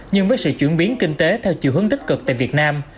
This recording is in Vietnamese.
nhưng với sự chuyển biến kinh tế theo chiều hướng tích cực tại việt nam